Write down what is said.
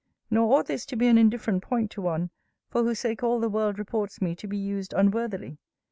Nor ought this to be an indifferent point to one, for whose sake all the world reports me to be used unworthily.